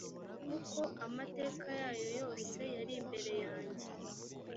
kuko amateka yayo yose yari imbere yanjye